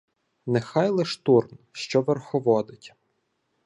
Нехай лиш Турн, що верховодить